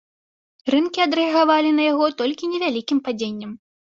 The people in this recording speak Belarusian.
Рынкі адрэагавалі на яго толькі невялікім падзеннем.